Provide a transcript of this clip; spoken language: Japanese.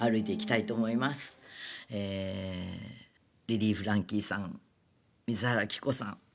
リリー・フランキーさん水原希子さん